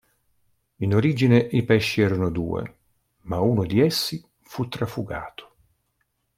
In origine i pesci erano due, ma uno di essi fu trafugato.